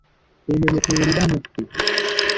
Ebyo bye tuwulira mu ffe.